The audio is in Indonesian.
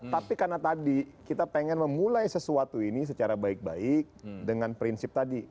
tapi karena tadi kita ingin memulai sesuatu ini secara baik baik dengan prinsip tadi